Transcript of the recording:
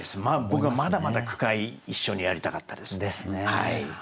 僕はまだまだ句会一緒にやりたかったですね。